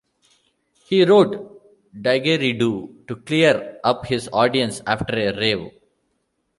He wrote "Digeridoo" to clear up his audience after a rave.